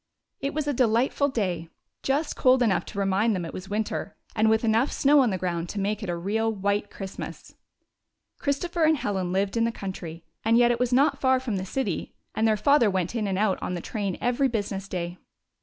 It was a delightful day — just cold enough to remind them it was winter, and with enough snow on the ground to make it a real " white Christmas." Christopher and Helen lived in the country, and yet it was not far from the city, and their father went in and out on the train every business day.